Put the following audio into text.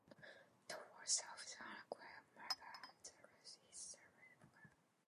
The walls are of hand-crafted marble and the roof is retractable.